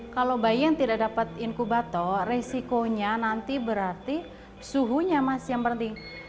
kalau bayi yang tidak dapat inkubator resikonya nanti berarti suhunya masih yang penting